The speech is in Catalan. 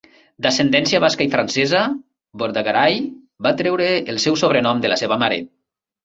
D'ascendència basca i francesa, Bordagaray va treure el seu sobrenom de la seva mare.